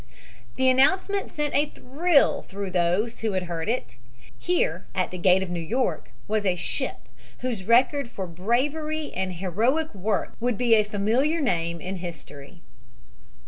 The announcement sent a thrill through those who heard it. Here, at the gate of New York, was a ship whose record for bravery and heroic work would be a famuliar name in history.